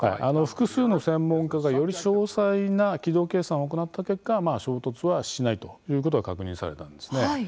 複数の専門家がより詳細な軌道計算を行った結果衝突はしないということが確認されたんですね。